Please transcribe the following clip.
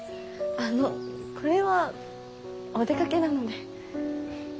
あのこれはお出かけなので。